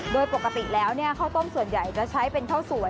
โดยปกติแล้วข้าวต้มส่วนใหญ่จะใช้เป็นข้าวสวย